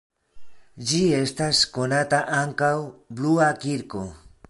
Ĝi estas konata ankaŭ blua kirko.